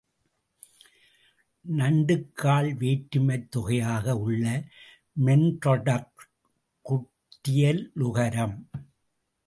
நண்டுக்கால் வேற்றுமைத் தொகையாக உள்ள மென்றொடர்க் குற்றியலுகரம்.